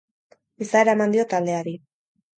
Izaera eman dio taldeari.